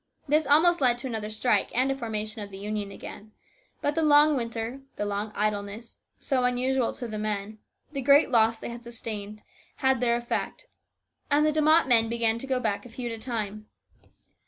This almost led to another strike and a formation of the Union again. But the long winter, the long idleness, so unusual to the men, the great loss they had sustained, had 278 HIS BROTHER'S KEEPER. their effect, and the De Mott men began to go back a few at a time.